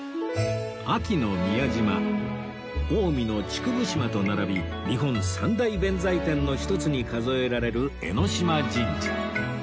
安芸の宮島近江の竹生島と並び日本三大弁財天の一つに数えられる江島神社